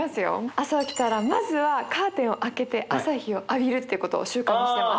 朝起きたらまずはカーテンを開けて朝日を浴びるってことを習慣にしてます。